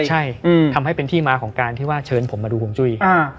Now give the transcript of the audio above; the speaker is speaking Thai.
ใช่ทำให้เป็นที่มาของการที่ว่าเชิญผมมาดูฮวงจุ้ย